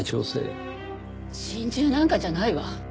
心中なんかじゃないわ。